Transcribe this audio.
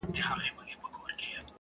زه د بـلا سـره خـبري كـوم,